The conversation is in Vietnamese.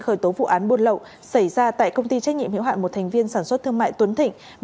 khởi tố vụ án buôn lậu xảy ra tại công ty trách nhiệm hiệu hạn một thành viên sản xuất thương mại tuấn thịnh